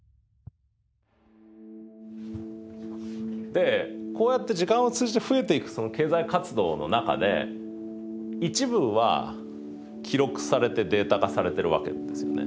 でこうやって時間を通じて増えていく経済活動の中で一部は記録されてデータ化されてるわけなんですよね。